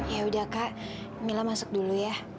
ya udah kak mila masuk dulu ya